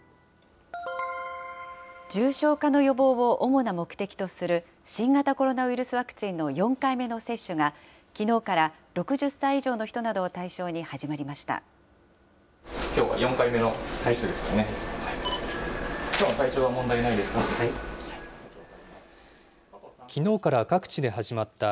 重症化の予防を主な目的とする、新型コロナウイルスワクチンの４回目の接種が、きのうから６０歳以上の人などを対象に始まりました。